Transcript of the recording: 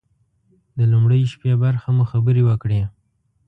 د لومړۍ شپې برخه مو خبرې وکړې.